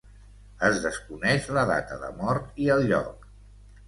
Es desconeix la data de mort i el lloc.